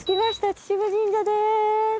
秩父神社です。